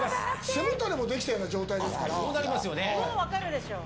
背もたれもできたような状態ですからね。